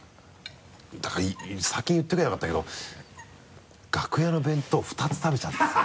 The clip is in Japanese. だから先に言っておけばよかったけど楽屋の弁当２つ食べちゃってさ。